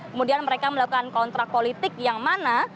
kemudian mereka melakukan kontrak politik yang mana